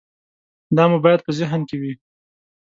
دا مو باید په ذهن کې وي.